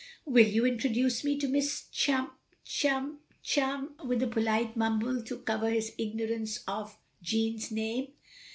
"Will you introduce me to Miss chum — chum — chum,'' with a polite mumble to cover his ignorance of Jeanne's name.